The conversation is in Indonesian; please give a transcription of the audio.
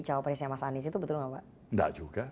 cawapresnya mas anies itu betul enggak pak